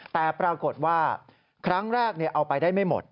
แต่ปรากฏว่าครั้งแรกเอาไปได้ไม่หมด